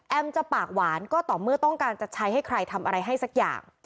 จะปากหวานก็ต่อเมื่อต้องการจะใช้ให้ใครทำอะไรให้สักอย่าง